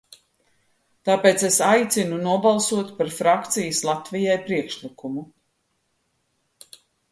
"Tāpēc es aicinu nobalsot par frakcijas "Latvijai" priekšlikumu."